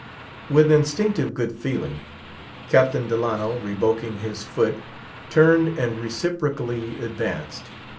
With instinctive good feeling, Captain Delano, withdrawing his foot, turned and reciprocally advanced.